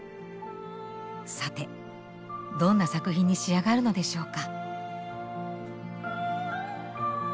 さてどんな作品に仕上がるのでしょうか？